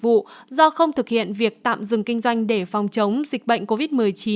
vụ do không thực hiện việc tạm dừng kinh doanh để phòng chống dịch bệnh covid một mươi chín